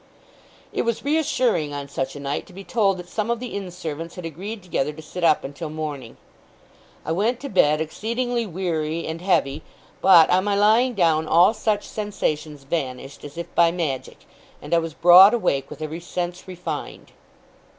It was reassuring, on such a night, to be told that some of the inn servants had agreed together to sit up until morning. I went to bed, exceedingly weary and heavy; but, on my lying down, all such sensations vanished, as if by magic, and I was broad awake, with every sense refined.